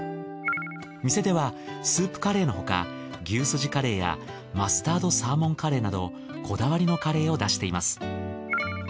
店ではスープカレーの他牛すじカレーやマスタードサーモンカレーなどこだわりのカレーを出しています。